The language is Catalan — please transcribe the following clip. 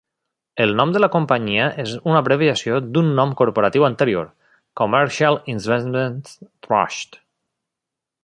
El nom de la companyia és una abreviació d'un nom corporatiu anterior, Commercial Investment Trust.